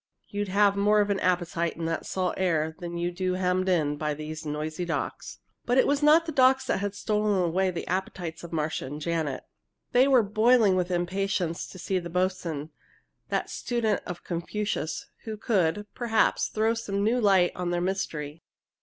You'd have more of an appetite in that salt air than you do hemmed in by these noisy docks!" But it was not the docks that had stolen away the appetites of Marcia and Janet. They were boiling with impatience to see the boatswain, that student of Confucius, who could, perhaps, throw some new light on their mystery.